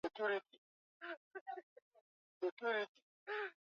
bodi ya sarafu ilianzishwa mwezi juni